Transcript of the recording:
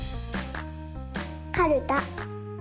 かるた。